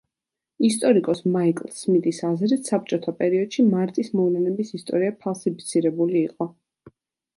ისტორიკოს მაიკლ სმიტის აზრით საბჭოთა პერიოდში მარტის მოვლენების ისტორია ფალსიფიცირებული იყო.